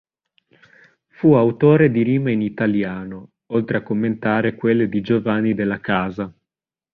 Fu autore di rime in italiano, oltre a commentare quelle di Giovanni della Casa.